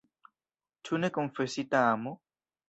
Ĉu nekonfesita amo?